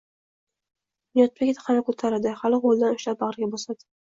Bunyodbekni hali koʻtaradi, hali qoʻlidan ushlab, bagʻriga bosadi